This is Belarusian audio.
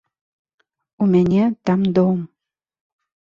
У мяне там дом.